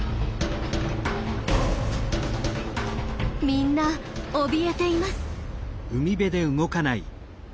みんなおびえています。